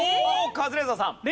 カズレーザーさん。